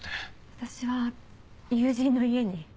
私は友人の家に。